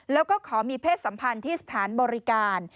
แล้วก็ขอมีเพศสัมพันธ์ที่สถานบริการ